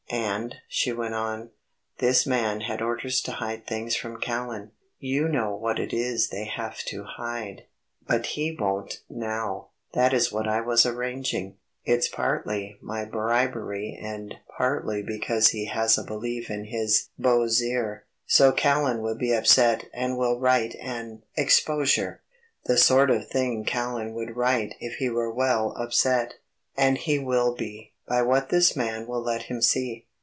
"And," she went on, "this man had orders to hide things from Callan; you know what it is they have to hide. But he won't now; that is what I was arranging. It's partly by bribery and partly because he has a belief in his beaux yeux so Callan will be upset and will write an ... exposure; the sort of thing Callan would write if he were well upset. And he will be, by what this man will let him see.